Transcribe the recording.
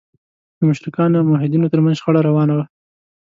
د مشرکانو او موحدینو تر منځ شخړه روانه وه.